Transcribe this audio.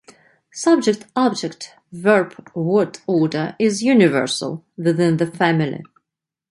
Subject-object-verb word order is universal within the family.